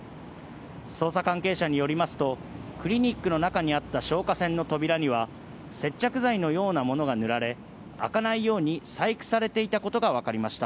捜査関係者によりますと、クリニックの中にあった消火栓の扉には、接着剤のようなものが塗られ、開かないように細工されていたことが分かりました。